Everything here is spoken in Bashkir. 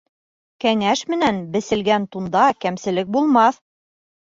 Кәңәш менән беселгән тунда кәмселек булмаҫ.